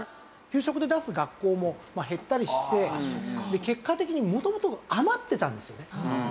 給食で出す学校も減ったりして結果的に元々余ってたんですよね。